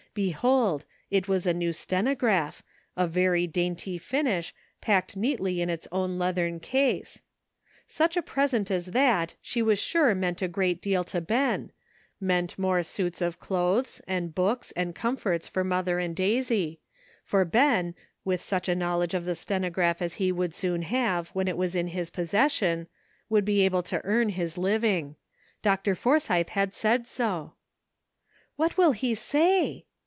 Behold, it was a new stenograph, of very dainty finish, packed neatly in its own leathern case ! Such a present as that she was sure meant a great deal to Ben — meant more suits of clothes, and books, and comforts for mother and Daisy ; for Ben, with such a knowledge of the stenograph as he would soon have when it was in his possession, would be able to earn his living. Dr. Forsythe had said so. "What will he say?"